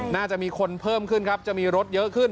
น่าจะมีคนเพิ่มขึ้นครับจะมีรถเยอะขึ้น